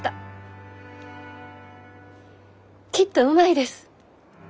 きっとうまいです。